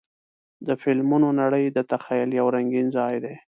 د فلمونو نړۍ د تخیل یو رنګین ځای دی.